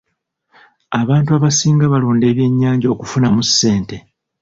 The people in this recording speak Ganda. Abantu abasinga balunda ebyennyanja okufunamu ssente.